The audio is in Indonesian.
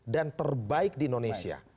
dan terbaik di indonesia